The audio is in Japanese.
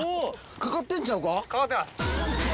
かかってます。